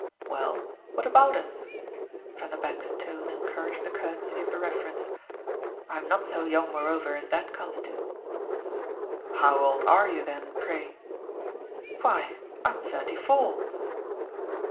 "Well, what about us?" Vanderbank's tone encouraged the courtesy of the reference. "I'm not so young moreover as that comes to." "How old are you then, pray?" "Why I'm thirty four."